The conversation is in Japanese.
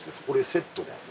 これセットで。